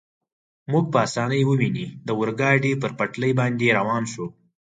مو په اسانۍ وویني، د اورګاډي پر پټلۍ باندې روان شو.